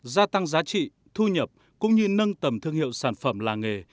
gia tăng giá trị thu nhập cũng như nâng tầm thương hiệu sản phẩm làng nghề